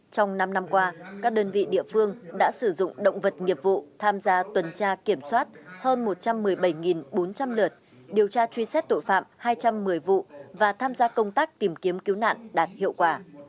trong năm năm qua các đơn vị địa phương đã sử dụng động vật nghiệp vụ tham gia tuần tra kiểm soát hơn một trăm một mươi bảy bốn trăm linh lượt điều tra truy xét tội phạm hai trăm một mươi vụ và tham gia công tác tìm kiếm cứu nạn đạt hiệu quả